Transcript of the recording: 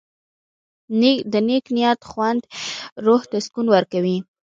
د نیک نیت خوند روح ته سکون ورکوي.